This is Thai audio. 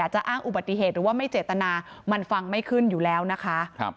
จะอ้างอุบัติเหตุหรือว่าไม่เจตนามันฟังไม่ขึ้นอยู่แล้วนะคะ